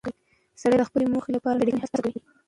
سړی د خپلې موخې لپاره نه ستړې کېدونکې هڅه کوي